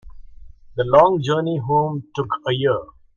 The long journey home took a year.